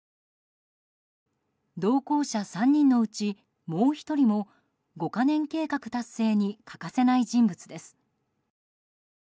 同行者３人のうちもう１人も５か年計画達成に欠かせない人物です。